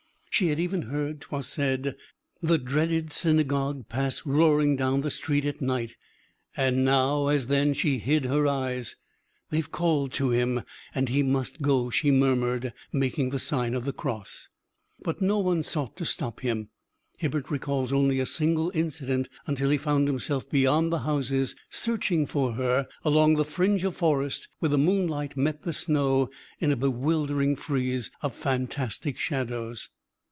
She had even heard, 'twas said, the dreaded "synagogue" pass roaring down the street at night, and now, as then, she hid her eyes. "They've called to him ... and he must go," she murmured, making the sign of the cross. But no one sought to stop him. Hibbert recalls only a single incident until he found himself beyond the houses, searching for her along the fringe of forest where the moonlight met the snow in a bewildering frieze of fantastic shadows.